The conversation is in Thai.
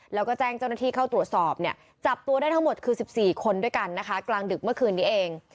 แล้วก็แจ้งเจ้าหน้าที่เข้าตรวจสอบเนี่ยจับตัวได้ทั้งหมดคือ๑๔คนด้วยกันนะคะกลางดึกเมื่อคืนนี้เอง